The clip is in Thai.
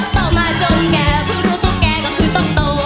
ต่อมาจนแกบึงรู้ตุ๊กแกก็คือตุ๊กโต